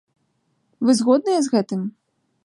Вы згодныя з гэтым?